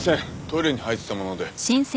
トイレに入ってたもので。